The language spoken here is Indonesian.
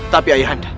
tapi ayah anda